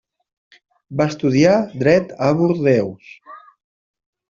Va estudiar dret a Bordeus.